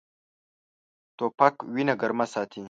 توپک وینه ګرمه ساتي.